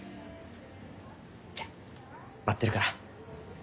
じゃ待ってるから。